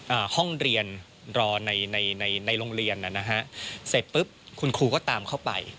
อ่าห้องเรียนรอในในในในในโรงเรียนน่ะนะฮะเสร็จปุ๊บคุณครูก็ตามเข้าไป